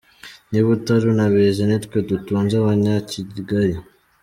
Niba utari unabizi ni twe dutunze Abanyakigali.